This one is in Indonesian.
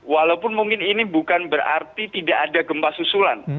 walaupun mungkin ini bukan berarti tidak ada gempa susulan